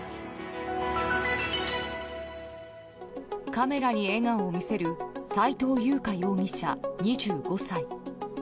カメラに笑顔を見せる斉藤優花容疑者、２５歳。